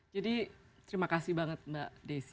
jadi terima kasih banget mbak desi